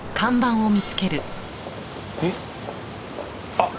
あっ！